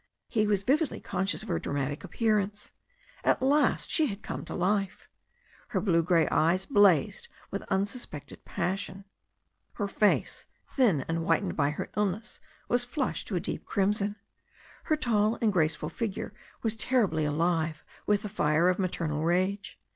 He was vividly conscious of her dramatic appearance. At THE STORY OF A NEW ZEALAND RIVEK loi last she had come to life. Her blue grey eyes blazed witb unsuspected passion. Her face, thin and whitened by her illness, was flushed to a deep crimson. Her tall and grace ful figure was terribly alive with the fire of maternal rage.